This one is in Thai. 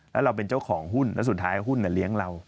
แล้วเราเป็นเจ้าของหุ้นแล้วสุดท้ายหุ้นเลี้ยงเรา